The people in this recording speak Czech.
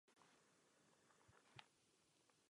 Jak právě řekl pan ministr, teroristé se vyvíjejí.